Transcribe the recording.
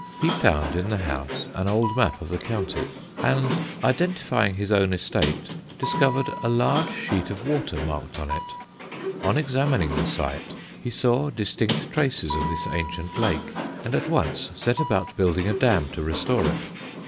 He found in the house an old map of the county, and identifying his own estate, discovered a large sheet of water marked on it. On examining the site he saw distinct traces of this ancient lake, and at once set about building a dam to restore it.